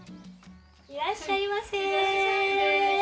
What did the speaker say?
いらっしゃいませ。